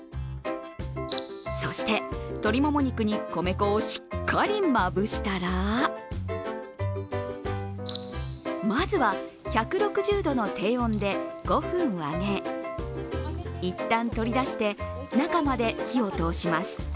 そして、鶏もも肉に米粉をしっかりまぶしたらまずは、１６０度の低温で５分揚げ一旦取り出して、中まで火を通します。